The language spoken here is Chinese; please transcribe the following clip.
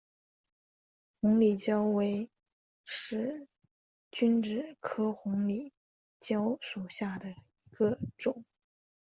红里蕉为使君子科红里蕉属下的一个种。